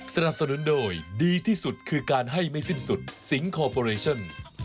สนับสนุนโดยดีที่สุดคือการให้ไม่สิ้นสุดสิงคอร์ปอเรชั่น